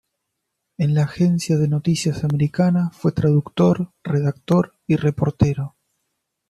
En la agencia de noticias americana fue traductor, redactor, y reportero.